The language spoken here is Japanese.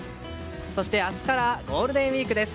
そして、明日からゴールデンウィークです。